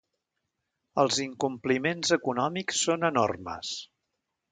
Els incompliments econòmics són enormes.